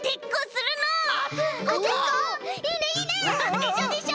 でしょでしょ！